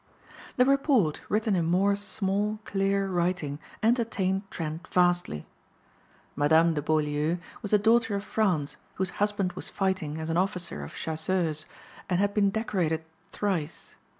The report, written in Moor's small, clear writing, entertained Trent vastly. Madame de Beaulieu was a daughter of France whose husband was fighting as an officer of Chasseurs and had been decorated thrice.